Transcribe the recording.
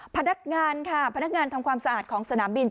พนักงานค่ะพนักงานทำความสะอาดของสนามบิน